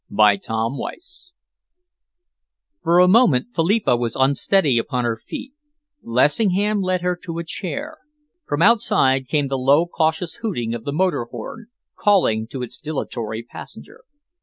CHAPTER XXXII For a moment Philippa was unsteady upon her feet. Lessingham led her to a chair. From outside came the low, cautious hooting of the motor horn, calling to its dilatory passenger.